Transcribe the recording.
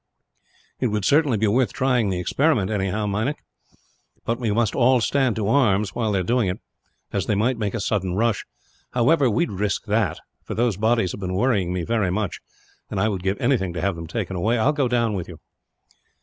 "It would be worth trying the experiment, anyhow, Meinik. But we must all stand to arms, while they are doing it; as they might make a sudden rush. However, we would risk that, for those bodies have been worrying me very much, and I would give anything to have them taken away. I will go down with you."